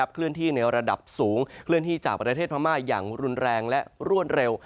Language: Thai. เคลื่อนที่ในระดับสูงเคลื่อนที่จากประเทศพม่าอย่างรุนแรงและรวดเร็ว